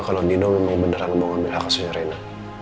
kalau nino memang beneran mau ngambil hak aslinya rena